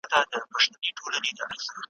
او په برخه یې ترمرګه پښېماني سي ,